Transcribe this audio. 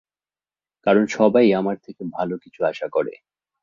কারণ সবাই আমার থেকে ভালো কিছু আশা করে।